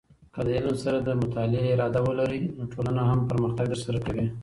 که د علم سر اراده مطالعه ولرې، نو ټولنه هم پرمختګ در سره کوي.